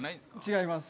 違います。